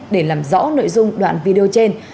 để làm rõ nội dung đoạn video trên